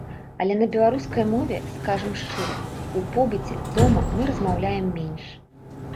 Але на беларускай мове, скажам шчыра, у побыце, дома мы размаўляем менш.